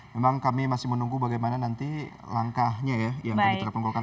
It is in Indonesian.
memang kami masih menunggu bagaimana nanti langkahnya ya yang akan diterapkan golkar